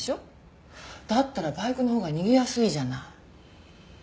だったらバイクのほうが逃げやすいじゃない。